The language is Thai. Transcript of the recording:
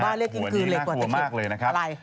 หัวหนี้น่ากลัวมากเลยนะครับอะไร